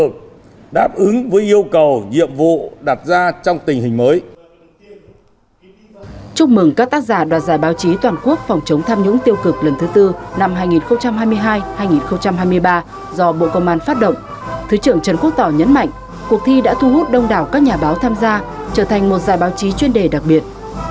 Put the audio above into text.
thứ trưởng trần quốc tỏ nhấn mạnh cuộc thi đã thu hút đông đảo các nhà báo tham gia trở thành một dài báo chí chuyên đề đặc biệt